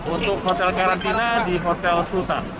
untuk hotel karantina di hotel sultan